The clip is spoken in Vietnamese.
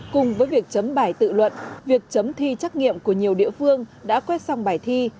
cùng với việc chấm bài tự luận việc chấm thi trắc nghiệm của nhiều địa phương đã quét xong bài thi